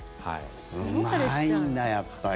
うまいんだやっぱり。